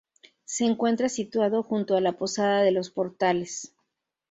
Se encuentra situado junto a la posada de los Portales.